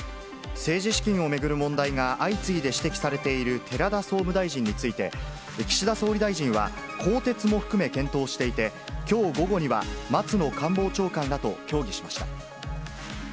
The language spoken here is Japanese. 政治資金を巡る問題が相次いで指摘されている寺田総務大臣について、岸田総理大臣は、更迭も含め検討していて、きょう午後には、松野官房長官らと協議しました。